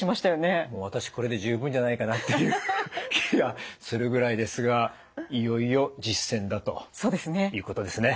私これで十分じゃないかなっていう気がするぐらいですがいよいよ実践だということですね。